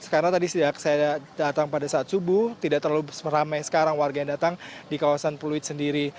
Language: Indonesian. karena tadi saya datang pada saat subuh tidak terlalu ramai sekarang warga yang datang di kawasan puluit sendiri